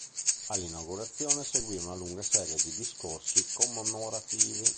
All’inaugurazione seguì una lunga serie di discorsi commemorativi.